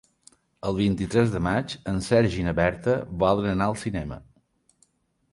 El vint-i-tres de maig en Sergi i na Berta volen anar al cinema.